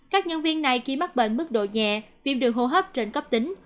các nhân viên này khi mắc bệnh mức độ nhẹ viêm đường hô hấp trên cấp tính